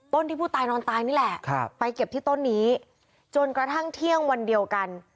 ที่ผู้ตายนอนตายนี่แหละไปเก็บที่ต้นนี้จนกระทั่งเที่ยงวันเดียวกัน